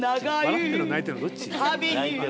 笑ってんの泣いてんのどっち？